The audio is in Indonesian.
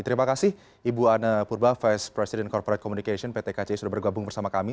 terima kasih ibu ana purba vice president corporate communication pt kci sudah bergabung bersama kami